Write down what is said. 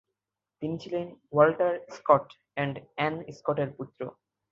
তিনি ছিলেন Walter Scott এবং অ্যান স্কটের পুত্র।